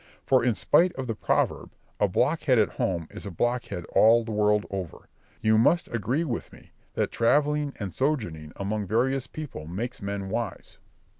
For in spite of the proverb, a blockhead at home is a blockhead all the world over, you must agree with me that travelling and sojourning among various people makes men wise.